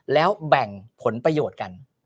แล้วแบ่งผลประโยชน์กัน